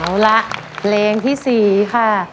เอาละเพลงที่๔ค่ะ